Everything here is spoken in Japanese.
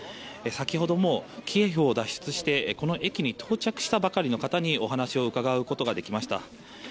先ほども、キエフを脱出してこの駅に到着したばかりの人にお話を伺うことができました。